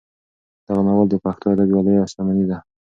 دغه ناول د پښتو ادب یوه لویه شتمني ده.